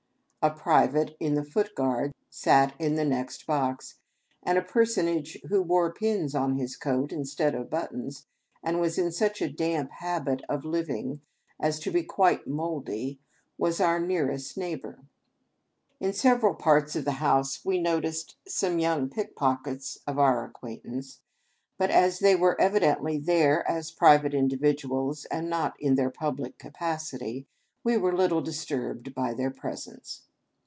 A private ia the Foot Guards sat in the next box ; and a personage who wore pins on his coat instead of buttons, and was in such a damp habit of living as to be quite mouldy, was our nearest neighbor. In several parts of the house we noticed some young pickpockets of our acquaint ance ; but as they were evidently there as private individ uals, and not in. their public capacity, we were little dis turbed by their presence.